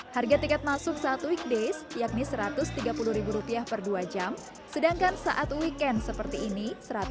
harga tiket masuk saat weekdays yakni rp satu ratus tiga puluh per dua jam sedangkan saat weekend seperti ini